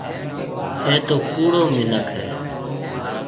اَي تو ڪُوڙو مِنک هيَ۔